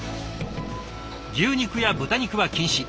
牛肉や豚肉は禁止。